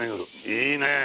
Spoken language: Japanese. いいねえ！